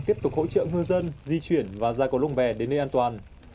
tiếp tục hỗ trợ ngư dân di chuyển và ra cầu lông bè đến nơi an toàn